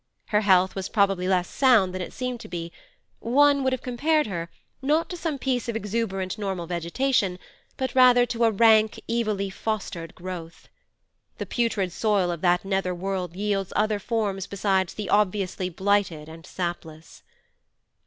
Her health was probably less sound than it seemed to be; one would have compared her, not to some piece of exuberant normal vegetation, but rather to a rank, evilly fostered growth. The putrid soil of that nether world yields other forms besides the obviously blighted and sapless.